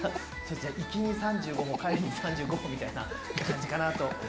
行きに３５歩帰りに３５歩みたいな感じかなと。